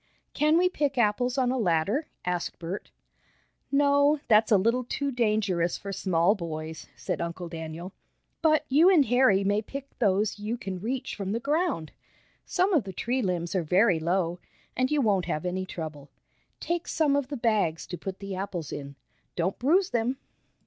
"Can we pick apples on a ladder?" asked Bert. "No, that's a little too dangerous for small boys," said Uncle Daniel. "But you and Harry may pick those you can reach from the ground. Some of the tree limbs are very low, and you won't have any trouble. Take some of the bags to put the apples in. Don't bruise them."